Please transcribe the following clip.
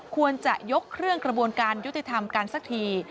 ควรจะยกเครื่องกระบวนการยุติธรรมกันสักที